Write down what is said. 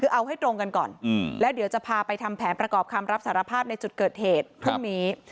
คือเอาให้ตรงกันก่อนแล้วเดี๋ยวจะพาไปทำแผนประกอบคำรับสารภาพในจุดเกิดเหตุพรุ่งนี้